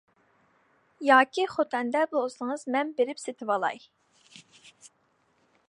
ياكى خوتەندە بولسىڭىز مەن بېرىپ سېتىۋالاي.